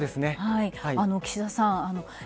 岸田さん